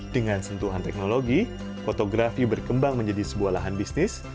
dengan sentuhan teknologi fotografi berkembang menjadi sebuah lahan bisnis